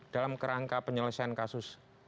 dalam kerangka penyelesaian kasus